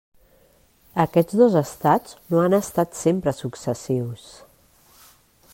Aquests dos estats no han estat sempre successius.